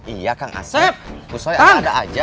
iya kang asep kusoi ada ada aja